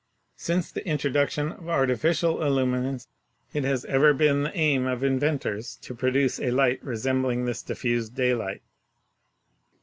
Since the introduction of artificial illu minants it has ever been the aim of inventors to produce a light resembling this diffused daylight.